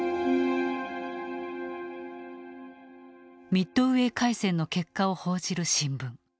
ミッドウェー海戦の結果を報じる新聞。